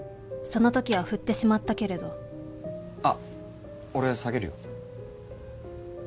そのときは振ってしまったけれどあっ俺下げるよ。